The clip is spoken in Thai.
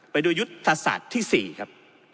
ไปดูยุทธศาสตร์ที่๔ครับ